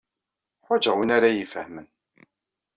Ḥwajeɣ win ara iyi-ifehmen.